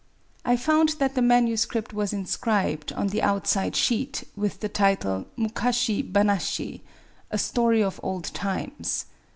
I found that the manuscript was inscribed, on the outside sheet, with the title, Mukashi banashi :" A Story of Old Times."